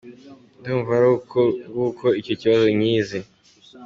Ndumva ari uko nguko icyo kibazo nkizi.